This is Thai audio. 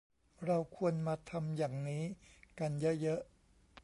เราควรมาทำอย่างนี้กันเยอะเยอะ